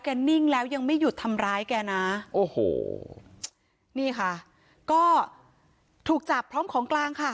นิ่งแล้วยังไม่หยุดทำร้ายแกนะโอ้โหนี่ค่ะก็ถูกจับพร้อมของกลางค่ะ